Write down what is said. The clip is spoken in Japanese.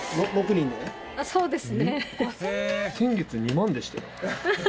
そうですね。